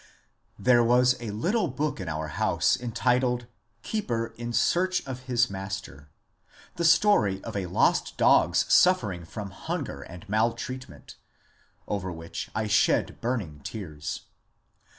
There was a little book in our house entitled " Keeper in search of his Master," — the story of a lost dog's suffering from hunger and maltreatment, — over which I shed burning tears.